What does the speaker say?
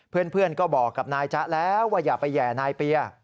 เพื่อนก็บอกกับนายจ๊ะแล้วว่าอย่าไปแห่นายเปีย